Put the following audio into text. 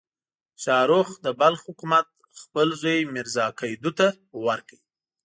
شاهرخ د بلخ حکومت خپل زوی میرزا قیدو ته ورکړ.